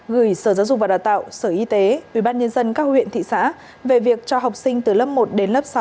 gửi sở giáo dục và đào tạo sở y tế ubnd các huyện thị xã về việc cho học sinh từ lớp một đến lớp sáu